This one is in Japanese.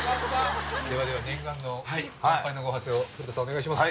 ではでは念願の乾杯のご発声を古田さんお願いします